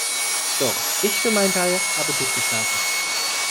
Doch, ich für meinen Teil, habe gut geschlafen.